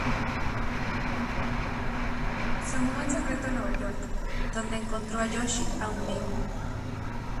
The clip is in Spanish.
Se mudó en secreto a Nueva York, donde encontró a Yoshi aún vivo.